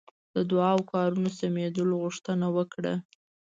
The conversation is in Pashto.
د دعا او کارونو سمېدلو غوښتنه وکړه.